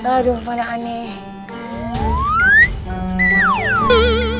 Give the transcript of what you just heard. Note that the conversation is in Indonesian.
aduh kepala aneh